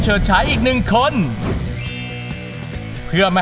จ้าวรอคอย